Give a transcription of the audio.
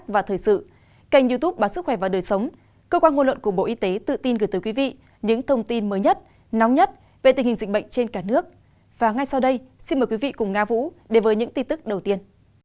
và ngay sau đây xin mời quý vị cùng nga vũ đề với những tin tức đầu tiên